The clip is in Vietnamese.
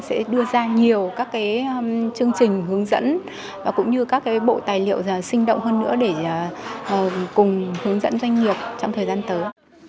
sẽ đưa ra nhiều các chương trình hướng dẫn và cũng như các bộ tài liệu sinh động hơn nữa để cùng hướng dẫn doanh nghiệp trong thời gian tới